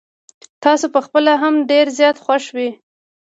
تاسو په خپله هم ډير زيات خوښ وې.